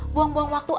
buang buang waktu aja